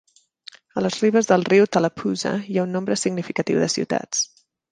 A les ribes del riu Tallapoosa hi ha un nombre significatiu de ciutats.